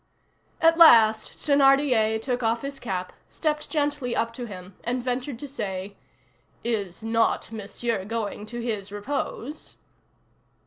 At last Thénardier took off his cap, stepped gently up to him, and ventured to say:— "Is not Monsieur going to his repose?"